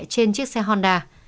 trên chiếc xe honda